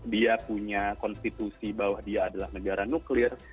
dia punya konstitusi bahwa dia adalah negara nuklir